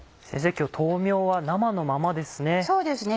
今日豆苗は生のままですね。